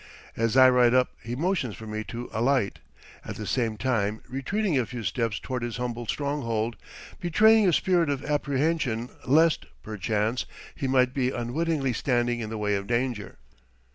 As I ride up he motions for me to alight, at the same time retreating a few steps toward his humble stronghold, betraying a spirit of apprehension lest, perchance, he might be unwittingly standing in the way of danger.